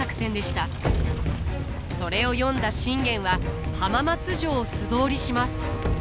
それを読んだ信玄は浜松城を素通りします。